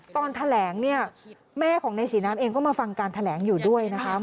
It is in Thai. ตอนแถลงเนี่ยแม่ของนายศรีน้ำเองก็มาฟังการแถลงอยู่ด้วยนะคะ